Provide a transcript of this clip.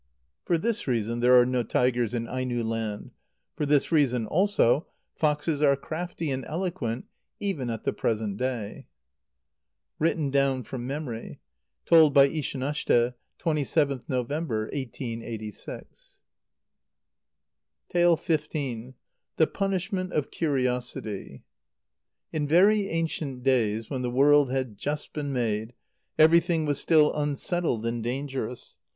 For this reason there are no tigers in Aino land. For this reason, also, foxes are crafty and eloquent even at the present day. (Written down from memory. Told by Ishanashte, 27th November, 1886.) xv. The Punishment of Curiosity. In very ancient days, when the world had just been made, everything was still unsettled and dangerous.